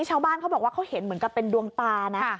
ชาวบ้านเค้าเห็นคือเป็นด้วงตานะ